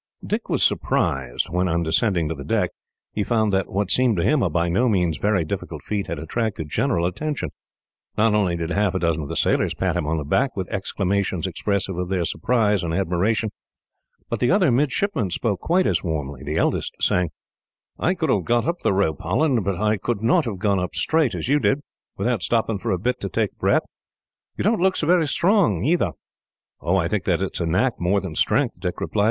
Dick was surprised when, on descending to the deck, he found that what seemed to him a by no means very difficult feat had attracted general attention. Not only did half a dozen of the sailors pat him on the back, with exclamations expressive of their surprise and admiration, but the other midshipmen spoke quite as warmly, the eldest saying: "I could have got up the rope, Holland, but I could not have gone up straight, as you did, without stopping for a bit to take breath. You don't look so very strong, either." "I think that it is knack more than strength," Dick replied.